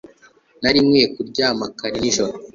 Nari nkwiye kuryama kare nijoro